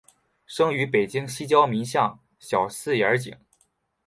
生于北京西郊民巷小四眼井。